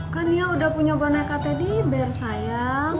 kan nia udah punya boneka teddy bear sayang